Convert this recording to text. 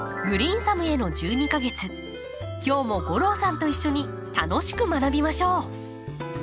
今日も吾郎さんと一緒に楽しく学びましょう。